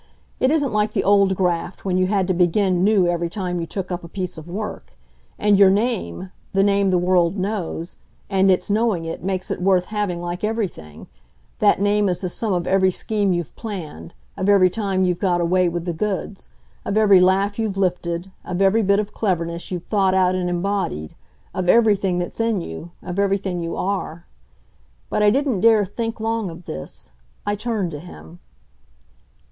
It isn't like the old graft when you had to begin new every time you took up a piece of work. And your name the name the world knows and its knowing it makes it worth having like everything that name is the sum of every scheme you've planned, of every time you've got away with the goods, of every laugh you've lifted, of every bit of cleverness you've thought out and embodied, of everything that's in you, of everything you are. But I didn't dare think long of this. I turned to him.